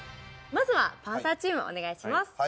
まずはパンサーチームお願いします